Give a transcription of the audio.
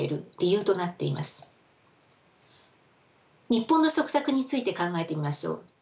日本の食卓について考えてみましょう。